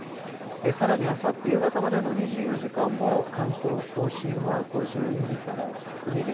さらにあさって夕方までの２４時間も関東甲信は５０ミリから１００ミリ